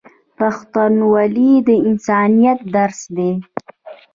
پښتونولي د انسانیت درس دی.